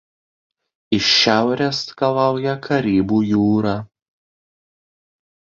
Iš šiaurės skalauja Karibų jūra.